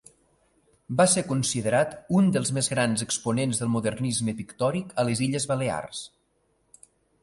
Va ser considerat un dels més grans exponents del modernisme pictòric a les Illes Balears.